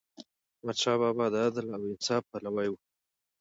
احمدشاه بابا د عدل او انصاف پلوی و.